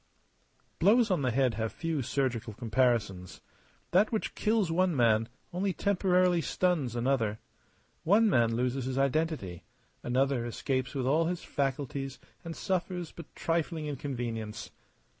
Blows on the head have few surgical comparisons. That which kills one man only temporarily stuns another. One man loses his identity; another escapes with all his faculties and suffers but trifling inconvenience.